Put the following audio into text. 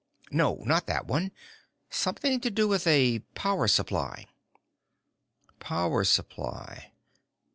"No, not that one. Something to do with a power supply." "Power supply.